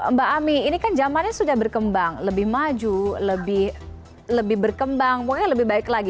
mbak ami ini kan zamannya sudah berkembang lebih maju lebih berkembang mungkin lebih baik lagi